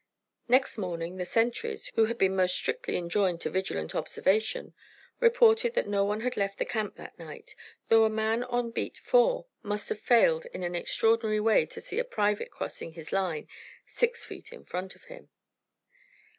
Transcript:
Next morning the sentries, who had been most strictly enjoined to vigilant observation, reported that no one had left camp that night, though a man on beat four must have failed in an extraordinary way to see a private crossing his line six feet in front of him.